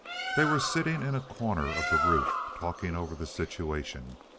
They were sitting in a corner of the roof, talking over the situation.